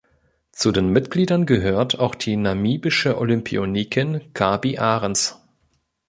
Zu den Mitgliedern gehört auch die namibische Olympionikin Gaby Ahrens.